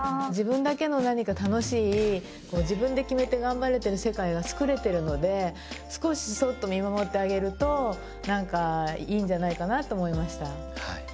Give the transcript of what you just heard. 自分だけの何か楽しい自分で決めて頑張れてる世界がつくれてるので少しそっと見守ってあげるとなんかいいんじゃないかなって思いました。